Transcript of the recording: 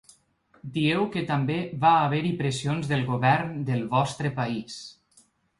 Dieu que també va haver-hi pressions del govern del vostre país.